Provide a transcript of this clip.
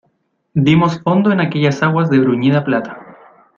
dimos fondo en aquellas aguas de bruñida plata.